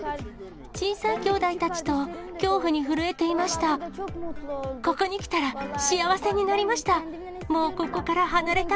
小さい兄弟たちと恐怖に震えていました。